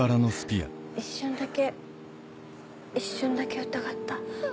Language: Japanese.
一瞬だけ一瞬だけ疑った。